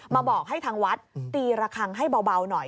มาบอกให้ทางวัดตีระคังให้เบาหน่อย